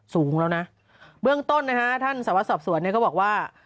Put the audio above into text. สูงแล้วนะเบื้องต้นนะฮะท่านสวสอบสวนเนี่ยก็บอกว่า